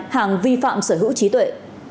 hàng vi phạm sở hữu trí tuệ